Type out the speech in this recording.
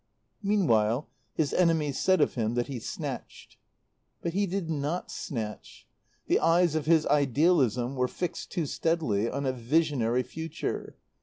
Meanwhile his enemies said of him that he snatched. But he did not snatch. The eyes of his idealism were fixed too steadily on a visionary future.